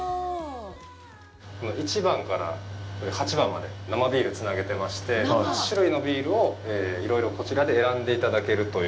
１番から８番まで生ビールをつなげてまして、８種類のビールをいろいろこちらで選んでいただけると。